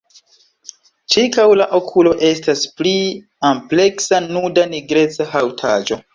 Ĉirkaŭ la okulo estas pli ampleksa nuda nigreca haŭtaĵo.